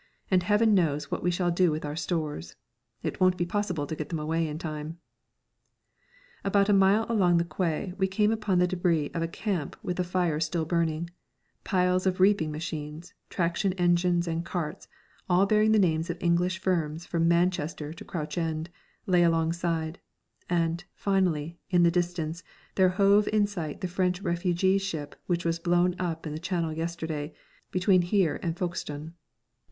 And Heaven knows what we shall do with our stores. It won't be possible to get them away in time!" About a mile along the quay we came upon the debris of a camp with the fire still burning; piles of reaping machines, traction engines and carts, all bearing the names of English firms from Manchester to Crouch End, lay alongside; and, finally, in the distance there hove in sight the French refugee ship which was blown up in the Channel yesterday between here and Folkestone.